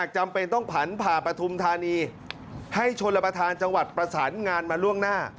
ชนละประธานจังหวัดประสานงานมาล่วงหน้า